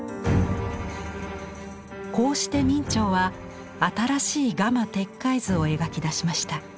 こうして明兆は新しい「蝦蟇鉄拐図」を描き出しました。